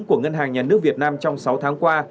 của ngân hàng nhà nước việt nam trong sáu tháng qua